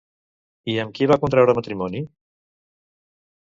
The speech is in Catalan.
I amb qui va contraure matrimoni?